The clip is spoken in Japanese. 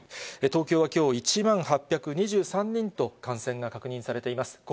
東京はきょう、１万８２３人と感染が確認されています。